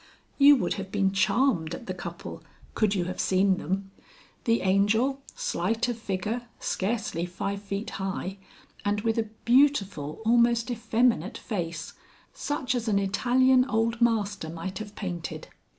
You would have been charmed at the couple could you have seen them. The Angel, slight of figure, scarcely five feet high, and with a beautiful, almost effeminate face, such as an Italian old Master might have painted.